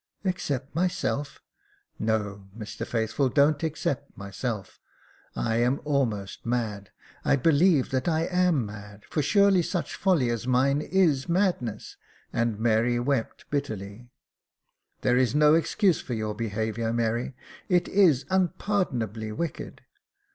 Except myself; — no, Mr Faithful, don't except myself, I am almost mad — I believe that I am mad — for surely such folly as mine is madness," and Mary wept bitterly. " There is no excuse for your behaviour, Mary — it is unpardonably wicked.